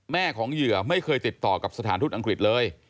ของเหยื่อไม่เคยติดต่อกับสถานทูตอังกฤษเลย